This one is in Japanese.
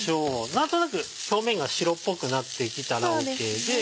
何となく表面が白っぽくなってきたらＯＫで。